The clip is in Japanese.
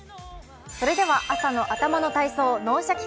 それでは、朝の頭の体操「脳シャキ！